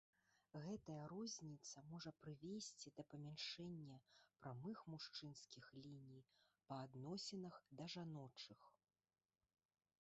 Гэтая розніца можа прывесці да памяншэння прамых мужчынскіх ліній па адносінах да жаночых.